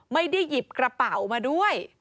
ไม่ได้หยิบกระเป๋ามาด้วย